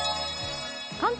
関東